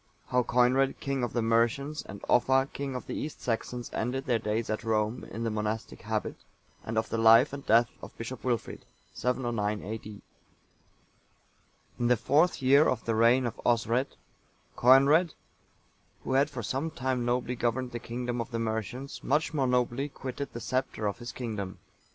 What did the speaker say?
How Coinred, king of the Mercians, and Offa, king of the East Saxons, ended their days at Rome, in the monastic habit; and of the life and death of Bishop Wilfrid. [709 A.D.] In the fourth year of the reign of Osred,(883) Coenred,(884) who had for some time nobly governed the kingdom of the Mercians, much more nobly quitted the sceptre of his kingdom.